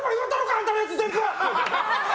あんたのやつ全部！